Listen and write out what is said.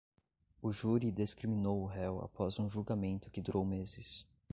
O júri descriminou o réu após um julgamento que durou meses.